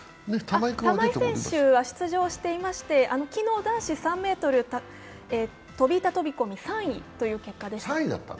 玉井選手は出場していまして、昨日男子３ｍ飛板飛込３位という結果でした。